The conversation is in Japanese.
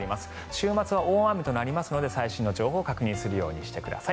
週末は大雨となりますので最新の情報を確認するようにしてください。